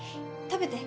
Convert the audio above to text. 食べて